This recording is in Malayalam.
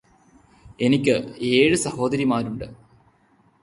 എനിക്ക് ഏഴ് സഹോദരിമാരുണ്ട്